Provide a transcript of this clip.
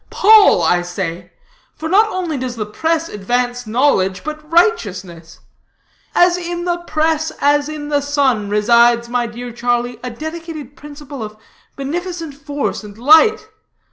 Paul, I say; for not only does the press advance knowledge, but righteousness. In the press, as in the sun, resides, my dear Charlie, a dedicated principle of beneficent force and light.